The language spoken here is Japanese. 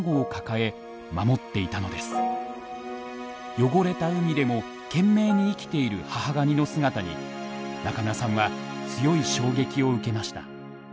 汚れた海でも懸命に生きている母ガニの姿に中村さんは強い衝撃を受けました。